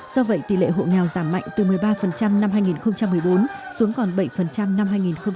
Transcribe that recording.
do vậy tỷ lệ hộ nghèo giảm mạnh từ một mươi ba năm hai nghìn một mươi bốn xuống còn bảy năm hai nghìn một mươi tám